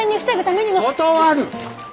断る！